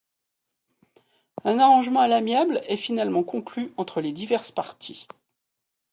Un arrangement à l'amiable est finalement conclu entre les diverses parties.